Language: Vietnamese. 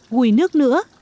quỳ nước nữa